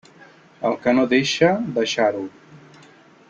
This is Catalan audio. El que no deixa, deixar-ho.